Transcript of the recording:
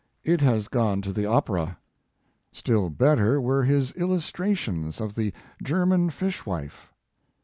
" It has gone to the opera !" Still better were his illustrations of the German fish wife.